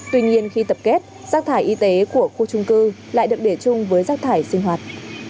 tuy nhiên khi tập kết rác thải y tế của khu trung cư lại được để chung với rác thải sinh hoạt